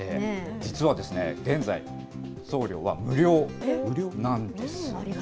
実は現在、送料は無料なんです。